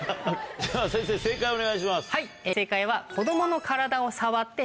では先生正解をお願いします。